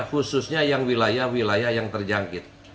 khususnya yang wilayah wilayah yang terjangkit